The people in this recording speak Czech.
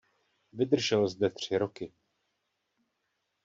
Vydržel zde tři roky.